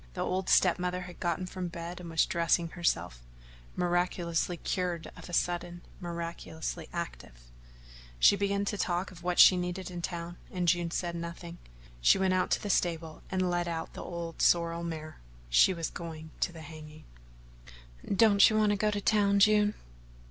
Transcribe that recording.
The old step mother had gotten from bed and was dressing herself miraculously cured of a sudden, miraculously active. She began to talk of what she needed in town, and June said nothing. She went out to the stable and led out the old sorrel mare. She was going to the hanging. "Don't you want to go to town, June?"